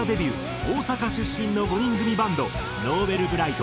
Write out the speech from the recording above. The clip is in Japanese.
大阪出身の５人組バンドＮｏｖｅｌｂｒｉｇｈｔ